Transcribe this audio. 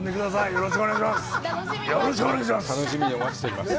よろしくお願いします。